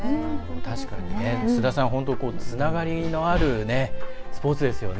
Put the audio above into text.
確かに須田さん本当につながりのあるスポーツですよね。